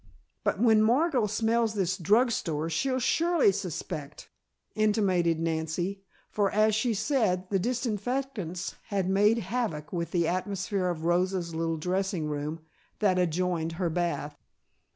"But when Margot smells this drug store she'll surely suspect," intimated Nancy, for, as she said, the disinfectants had made havoc with the atmosphere of Rosa's little dressing room, that adjoined her bath.